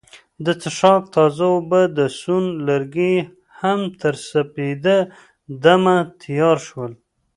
د څښاک تازه اوبه او د سون لرګي هم تر سپیده دمه تیار شول.